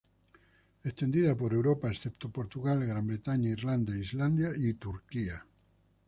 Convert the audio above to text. Extendida por Europa, excepto Portugal, Gran Bretaña, Irlanda, Islandia y Turquía.